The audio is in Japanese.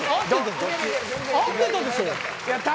合ってたでしょ。